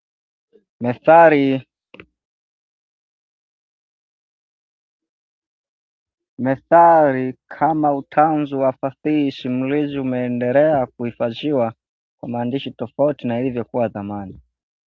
methali kama utanzu wa fasihi simulizi umendelea kuhifadhiwa kwa maandishi tofauti na ilivyokuwa zamani